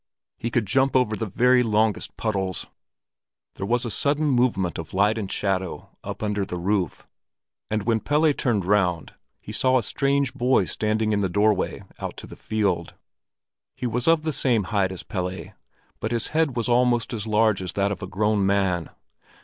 He could jump over the very longest puddles. There was a sudden movement of light and shadow up under the roof, and when Pelle turned round, he saw a strange boy standing in the doorway out to the field. He was of the same height as Pelle, but his head was almost as large as that of a grown man.